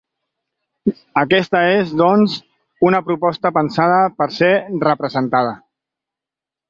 Aquesta és, doncs, una proposta pensada per ser representada.